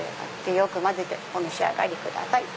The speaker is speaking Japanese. よく混ぜてお召し上がりください。